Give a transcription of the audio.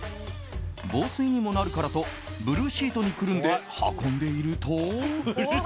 防水にもなるからとブルーシートにくるんで運んでいると。